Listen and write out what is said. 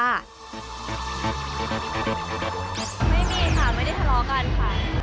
ไม่มีค่ะไม่ได้ทะเลาะกันค่ะ